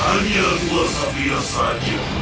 hanya dua sapi yang saja